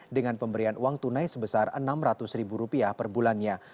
dengan pemberian uang tunai sebesar rp enam ratus ribu rupiah per bulannya